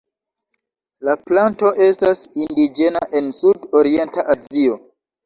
La planto estas indiĝena en sud-orienta Azio.